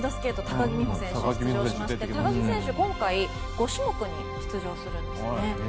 高木美帆選手が出場しまして高木選手、今回５種目に出場するんですね。